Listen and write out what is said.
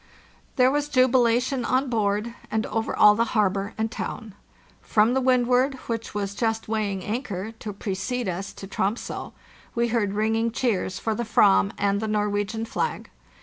There was jubilation on board and over all the harbor and town. From the Wixdward, which was just weigh ing anchor to precede us to Tromsé, we heard ringing cheers for the Avam and the Norwegian flag.